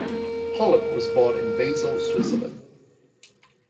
Holland was born in Basel, Switzerland.